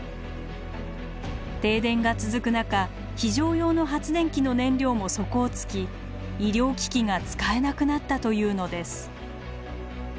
停電が続く中非常用の発電機の燃料も底をつき医療機器が使えなくなったというのです。